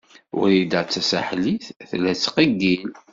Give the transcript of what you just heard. Wrida Tasaḥlit tella tettqeyyil.